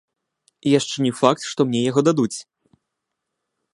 І яшчэ не факт, што мне яго дадуць.